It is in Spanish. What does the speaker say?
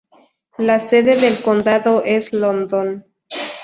La sede del condado es London.